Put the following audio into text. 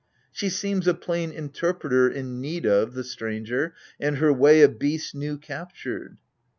She seems a plain interpreter in need of, The stranger ! and her way— a beast's new captured